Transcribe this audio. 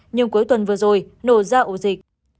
nhưng cuối tuần vừa rồi nổ ra ổ dịch